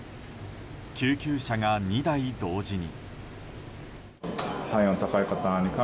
救急車が２台同時に。